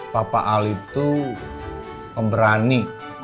papa ali tuh pemberani